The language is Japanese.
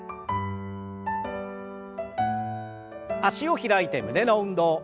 脚を開いて胸の運動。